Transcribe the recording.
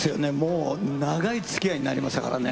長いつきあいになりましたからね。